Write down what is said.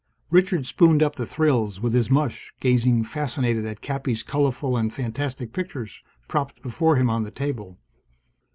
Richard spooned up the thrills with his mush, gazing fascinated at Cappy's colorful and fantastic pictures, propped before him on the table.